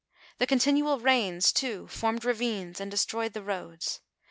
The continual rains, too, formed ravines, and destroyed the roads.